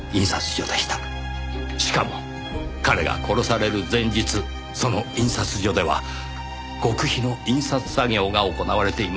しかも彼が殺される前日その印刷所では極秘の印刷作業が行われていました。